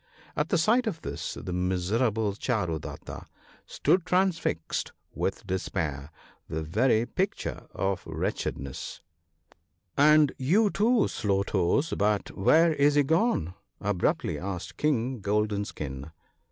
At sight of this the miserable Charudatta stood transfixed with despair — the very picture of wretchedness '" And you too, Slow toes — but where is he gone ?" abruptly asked King Golden skin.